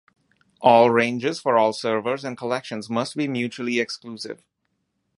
All ranges for all servers and collections must be mutually exclusive.